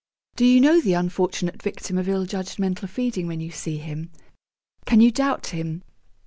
Do you know the unfortunate victim of ill judged mental feeding when you see him? Can you doubt him?